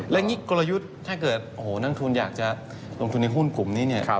แล้วยิ่งกลยุทธ์ถ้าเกิดนั่งทุนอยากจะลงทุนในหุ้นกลุ่มนี้